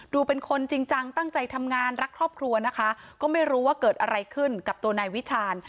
เป็นคนจริงจังตั้งใจทำงานรักครอบครัวนะคะก็ไม่รู้ว่าเกิดอะไรขึ้นกับตัวนายวิชาญ